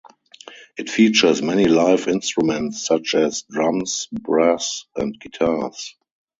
It features many live instruments such as drums, brass and guitars.